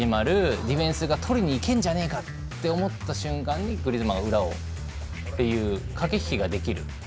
ディフェンスがとりにいけるんじゃないかと思った瞬間にグリーズマンが裏をっていう駆け引きができる。